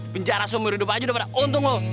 bencana seumur hidup aja udah pada untung lo